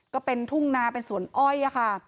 ก็เป็นทุ่งนาเป็นสวนอ้อยค่ะ